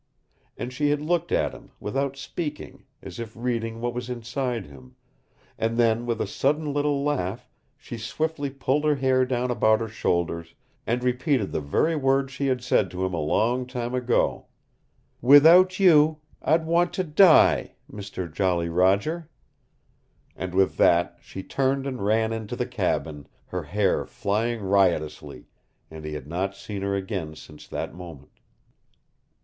And she had looked at him, without speaking, as if reading what was inside him; and then, with a sudden little laugh, she swiftly pulled her hair down about her shoulders, and repeated the very words she had said to him a long time ago "Without you I'd want to die Mister Jolly Roger," and with that she turned and ran into the cabin, her hair flying riotously, and he had not seen her again since that moment.